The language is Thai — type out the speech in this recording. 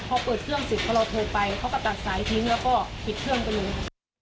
พอเปิดเครื่องสิทธิ์พอเราโทรไปเขาก็ตัดสายทิ้งแล้วก็ปิดเครื่องกันหนึ่ง